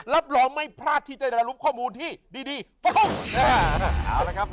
รับรองไม่พลาดที่จะได้รับรุมข้อมูลที่ดีฝ่าโทษ